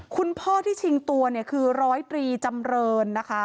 คุณพ่อที่ชิงตัวเนี่ยคือร้อยตรีจำเรินนะคะ